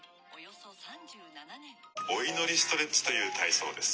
お祈りストレッチという体操です。